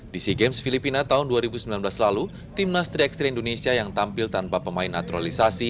di sea games filipina tahun dua ribu sembilan belas lalu timnas tiga x tiga indonesia yang tampil tanpa pemain naturalisasi